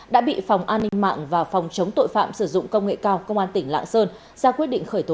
đã bị phòng an ninh mạng và phòng chống tội phạm sử dụng công nghệ cao công an tỉnh lạng sơn ra quyết định khởi tố